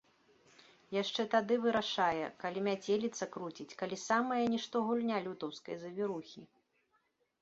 Яшчэ тады вырашае, калі мяцеліца круціць, калі самая нішто гульня лютаўскай завірухі.